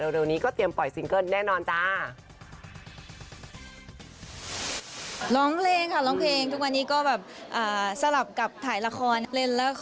เร็วนี้ก็เตรียมปล่อยซิงเกิ้ลแน่นอนจ้า